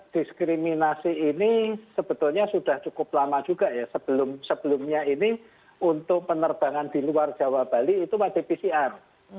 diskriminasi ini sebetulnya sudah cukup lama juga ya sebelumnya ini untuk penerbangan di luar jawa bali itu wajib pcr